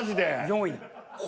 ４位。